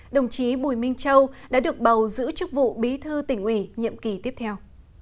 đồng chí bùi minh châu đã được bầu giữ chức vụ bí thư tỉnh ủy nhiệm kỳ tiếp theo